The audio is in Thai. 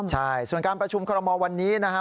ใช่ส่วนการประชุมคอรมอลวันนี้นะฮะ